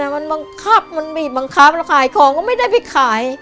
มันบังคับมันบีบบังคับแล้วขายของก็ไม่ได้ไปขาย